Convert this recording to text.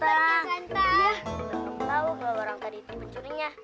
iya gak tau kalau orang tadi itu pencurinya